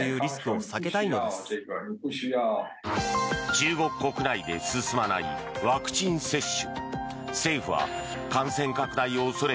中国国内で進まないワクチン接種。